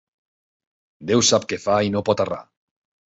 Déu sap què fa i no pot errar.